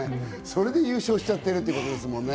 それで優勝しちゃってるってことですもんね。